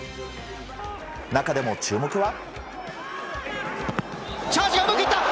中でも注目は。